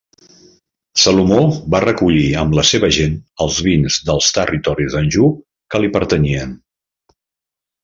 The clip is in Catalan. Salomó va recollir amb la seva gent els vins dels territoris d'Anjou que li pertanyien.